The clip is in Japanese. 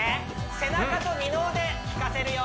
背中と二の腕きかせるよ